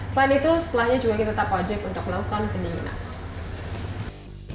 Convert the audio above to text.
selain itu setelahnya juga kita tetap wajib untuk melakukan pendinginan